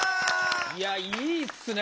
いやいいっすね。